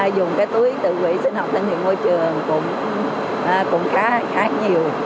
dùng cái túi tự quỷ sinh học tận thiệt môi trường cũng khá nhiều